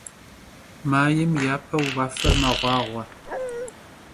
Maym yapeu vuafer meğuağue.